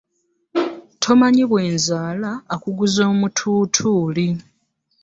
Tomanyi bwe nzaala akuguza omututuuli .